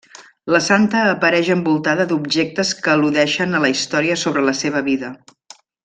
La santa apareix envoltada d'objectes que al·ludeixen a la història sobre la seva vida.